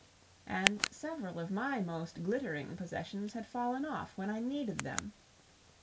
"And several of my most glittering possessions had fallen off when I needed them."